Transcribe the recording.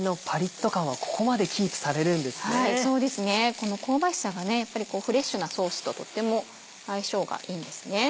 この香ばしさがやっぱりフレッシュなソースととっても相性がいいんですね。